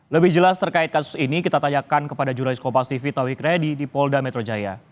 lebih jelas terkait kasus ini kita tanyakan kepada jurnalis kopastif vitawi kredi di polda metro jaya